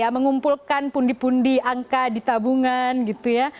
mengumpulkan pundi pundi angka di tabungan gitu ya